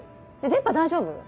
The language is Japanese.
電波大丈夫？